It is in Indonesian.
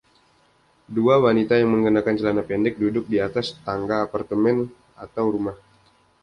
Dua wanita yang mengenakan celana pendek duduk di atas tangga apartemen atau rumah.